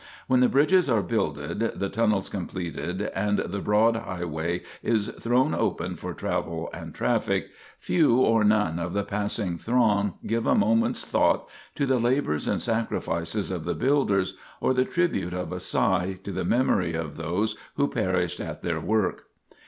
When the bridges are builded, the tunnels completed, and the broad highway is thrown open for travel and traffic, few or none of the passing throng give a moment's thought to the labors and sacrifices of the builders, or the tribute of a sigh to the memory of those who perished at their work.